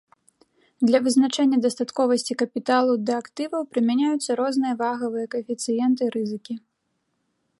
Для вызначэння дастатковасці капіталу да актываў прымяняюцца розныя вагавыя каэфіцыенты рызыкі.